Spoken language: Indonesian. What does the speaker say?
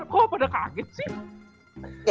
kok pada kaget sih